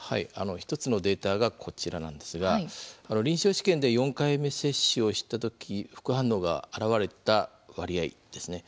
１つのデータがこちらなんですが臨床試験で４回目接種をした時副反応が現れた割合ですね。